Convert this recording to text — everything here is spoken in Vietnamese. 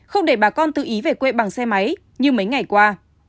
không để bà con tự ý về quê bằng xe máy như mấy ngày qua